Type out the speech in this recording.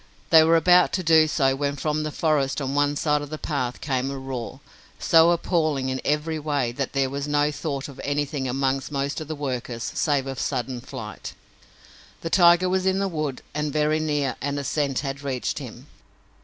They were about to do so when from the forest on one side of the path came a roar, so appalling in every way that there was no thought of anything among most of the workers save of sudden flight. The tiger was in the wood and very near and a scent had reached him.